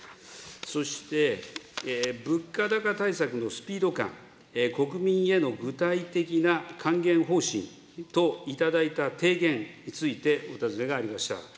そして物価高対策のスピード感、国民への具体的な還元方針と、頂いた提言についてお尋ねがありました。